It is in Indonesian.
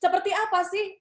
seperti apa sih